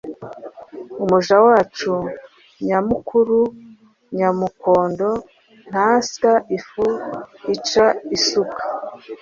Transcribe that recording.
Umuja wacu Nyamukuru ,nyamukondo ,ntasya ifu ica isuka.